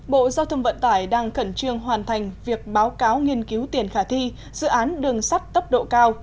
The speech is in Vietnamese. bộ giao thông vận tải đang khẩn trương hoàn thành việc báo cáo nghiên cứu tiền khả thi dự án đường sắt tốc độ cao